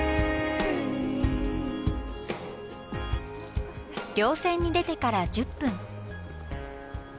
稜線に出てから１０分。